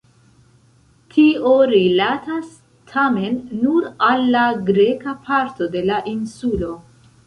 Tio rilatas tamen nur al la greka parto de la insulo.